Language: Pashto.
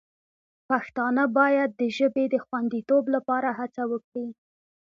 پښتانه باید د ژبې د خوندیتوب لپاره هڅه وکړي.